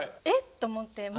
えっ？と思って。